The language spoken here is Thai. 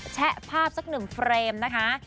แชะภาพสักหนึ่งเฟรมนะคะ